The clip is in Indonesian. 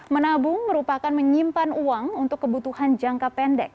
menabung merupakan menyimpan uang untuk kebutuhan jangka pendek